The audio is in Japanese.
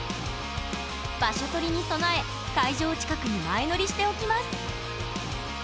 場所取りに備え会場近くに前乗りしておきます！